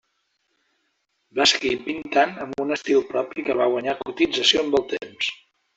Va seguir pintant amb un estil propi que va guanyar cotització amb el temps.